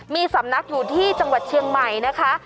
มีสำนักอยู่ที่จังหวัดเชียงใหม่นะคะ